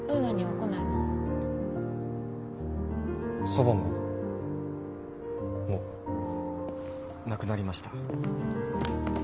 祖母ももう亡くなりました。